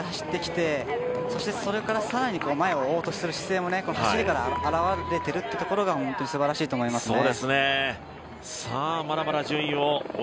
あそこまで一人で走ってきてそしてそれから更に前を追おうとしている走りから表れているということが本当にすばらしいと思いますね。